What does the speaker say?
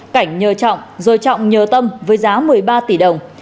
cảnh nhờ trọng rồi trọng nhờ tâm với giá một mươi ba tỷ đồng